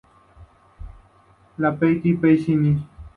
Le Petit-Pressigny